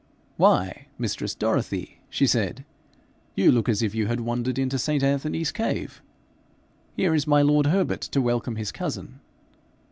'Why, mistress Dorothy!' she said, 'you look as if you had wandered into St. Anthony's cave! Here is my lord Herbert to welcome his cousin.'